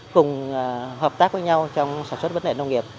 cùng hợp tác với nhau trong sản xuất vấn đề nông nghiệp